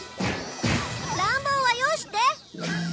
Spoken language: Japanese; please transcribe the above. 乱暴はよして！